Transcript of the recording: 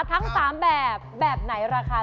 ทั้ง๓แบบแบบไหนราคา